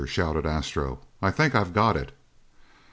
shouted Astro. "I think I've got it!"